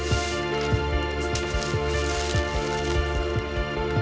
ini pak rondo